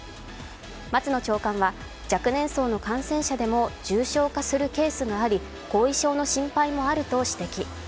松野長官は若年層の感染者でも重症化するケースがあり後遺症の心配もあると指摘。